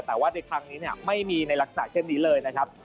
แต่ว่าในครั้งนี้ไม่มีในลักษณะเช่นนี้เลยนะครับ